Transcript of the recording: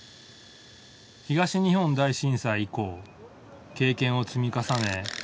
東日本大震災以降経験を積み重ね